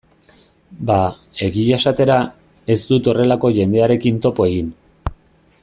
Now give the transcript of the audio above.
Ba, egia esatera, ez dut horrelako jendearekin topo egin.